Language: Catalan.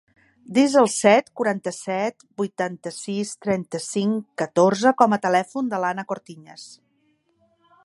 Desa el set, quaranta-set, vuitanta-sis, trenta-cinc, catorze com a telèfon de l'Ana Cortiñas.